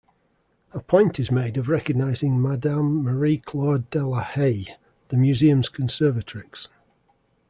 A point is made of recognizing Madame Marie-Claude Delahaye, the museum's conservatrix.